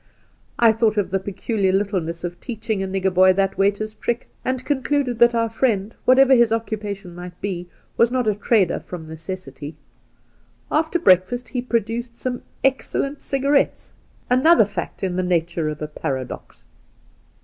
' I thought of the peculiar littleness of teaching a nigger boy that waiter's trick, and concluded that our friend, whatever his occupation might be, was not a trader from necessity. After breakfast he produced some excellent cigarettes — another fact in the nature of a paradox.